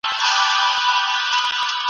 د سېل اوبو اخیستی خلی یمه `